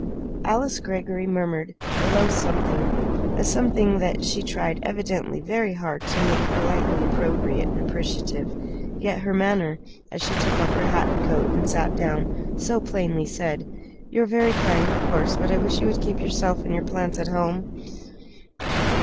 Alice Greggory murmured a low something a something that she tried, evidently, very hard to make politely appropriate and appreciative. Yet her manner, as she took off her hat and coat and sat down, so plainly said: "You are very kind, of course, but I wish you would keep yourself and your plants at home!"